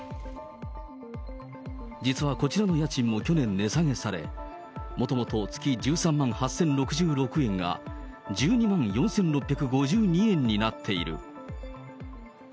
実はこちらの家賃も去年値下げされ、もともと月１３万８０６６円が、１２万円４６５２円になっている。